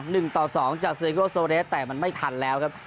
หนึ่งต่อสองจากเซโกโซเรสแต่มันไม่ทันแล้วครับ